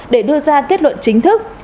để đưa ra kết luận chính thức